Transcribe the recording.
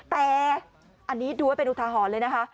แต่อันนี้ดูไว้เป็นอุทาหรณ์เลยนะคะ